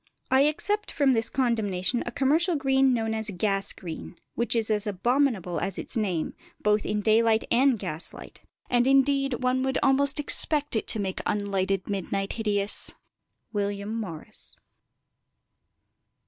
I except from this condemnation a commercial green known as gas green, which is as abominable as its name, both by daylight and gaslight, and indeed one would almost expect it to make unlighted midnight hideous. WILLIAM MORRIS.